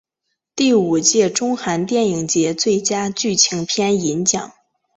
第五届中韩电影节最佳剧情片银奖。